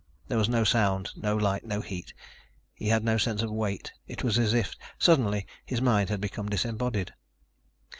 There was no sound, no light, no heat. He had no sense of weight. It was as if, suddenly, his mind had become disembodied.